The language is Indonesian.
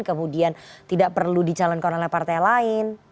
kemudian tidak perlu di calonkan oleh partai lain